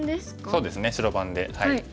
そうですね白番で。